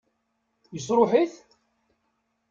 Yesṛuḥ-it?